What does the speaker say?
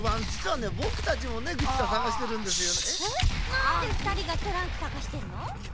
なんでふたりがトランクさがしてんの？